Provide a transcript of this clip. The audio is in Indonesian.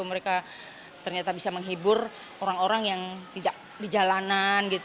mereka ternyata bisa menghibur orang orang yang tidak di jalanan gitu